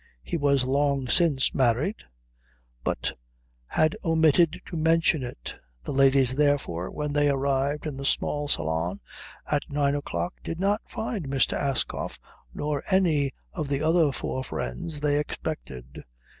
He was long since married, but had omitted to mention it. The ladies, therefore, when they arrived in the small salon at nine o'clock did not find Mr. Ascough nor any of the other four friends they expected.